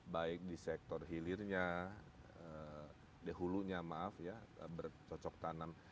baik di sektor hilirnya di hulunya maaf ya bercocok tanam